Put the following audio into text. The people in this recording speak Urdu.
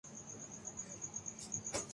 ایسے افراد جو ملازمت کررہے تھے